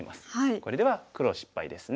これでは黒失敗ですね。